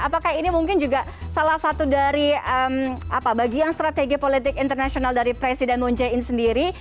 apakah ini mungkin juga salah satu dari bagian strategi politik internasional dari presiden moon jae in sendiri